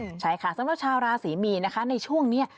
ใช่ค่ะสำหรับชาวราศรีมีนนะคะในช่วงนี้